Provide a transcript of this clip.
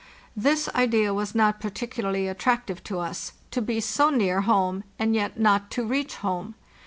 ~This idea was not particularly attractive to us—to be so near home and yet not to reach home.